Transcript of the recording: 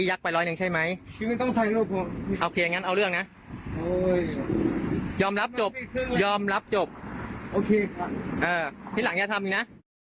อย่างงี้ก็ทำอย่างนี้นะ